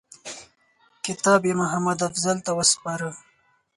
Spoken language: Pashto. کتاب یې محمدافضل ته وسپاره.